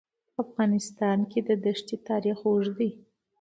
په افغانستان کې د دښتې تاریخ اوږد دی.